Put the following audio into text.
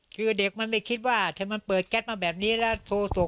คือเด็กมันไม่คิดว่าถ้ามันเปิดแก๊สมาแบบนี้แล้วโทรส่ง